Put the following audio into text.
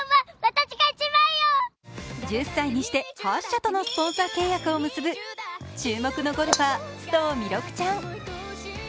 １０歳にして８社とのスポンサー契約を結ぶ注目のゴルファー須藤弥勒ちゃん。